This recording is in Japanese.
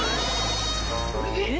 えっ？